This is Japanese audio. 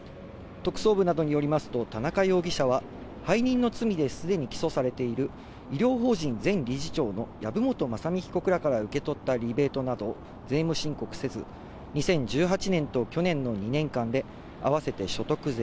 特捜部などによりますと、田中容疑者は、背任の罪ですでに起訴されている、医療法人前理事長の籔本雅巳被告らから受け取ったリベートなどを税務申告せず、２０１８年と去年の２年間で、合わせて所得税